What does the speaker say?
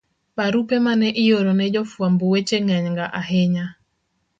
Barupe ma ne ioro ne jofwamb weche ng'enyga ahinya.